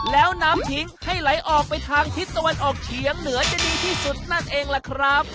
แล้วน้ำทิ้งให้ไหลออกไปทางทิศตะวันออกเฉียงเหนือจะดีที่สุดนั่นเองล่ะครับ